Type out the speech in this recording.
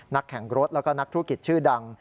นักแข่งรถแล้วก็นักธุรกิจชื่อดัง